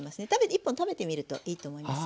１本食べてみるといいと思います。